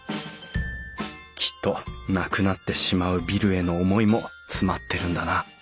きっとなくなってしまうビルへの思いも詰まってるんだな。